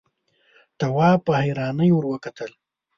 تواب په حيرانۍ ور وکتل.